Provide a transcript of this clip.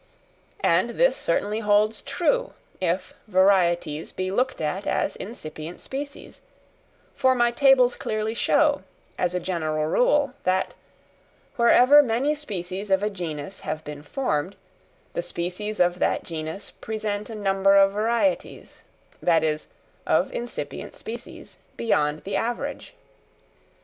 And this certainly holds true if varieties be looked at as incipient species; for my tables clearly show, as a general rule, that, wherever many species of a genus have been formed, the species of that genus present a number of varieties, that is, of incipient species, beyond the average.